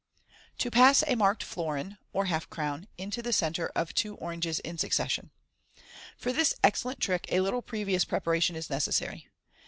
To pass a Marked Florin (or Halp crown) into the Centrb of two Oranges in Succession.— For this excellent trick a little previous preparation is necessary.